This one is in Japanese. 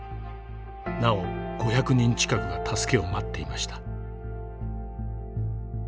なお５００人近くが助けを待っていました。